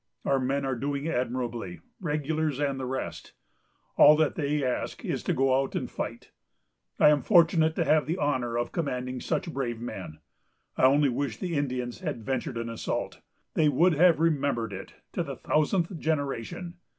Our men are doing admirably, regulars and the rest. All that they ask is to go out and fight. I am fortunate to have the honor of commanding such brave men. I only wish the Indians had ventured an assault. They would have remembered it to the thousandth generation!...